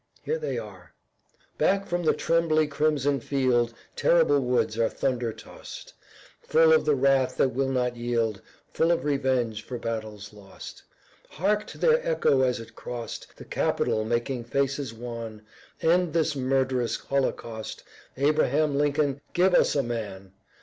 Here they are: "Back from the trebly crimsoned field Terrible woods are thunder tost: Full of the wrath that will not yield, Full of revenge for battles lost: Hark to their echo as it crost The capital making faces wan: End this murderous holocaust; Abraham Lincoln give us a man."